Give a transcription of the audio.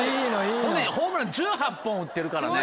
ほんでホームラン１８本打ってるからね。